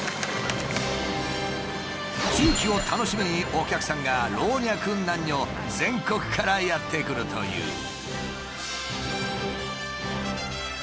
重機を楽しみにお客さんが老若男女全国からやって来るという。